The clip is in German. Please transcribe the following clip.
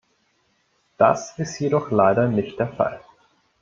Das ist jedoch leider nicht der Fall.